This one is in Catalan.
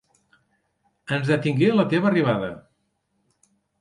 Ens detingué la teva arribada.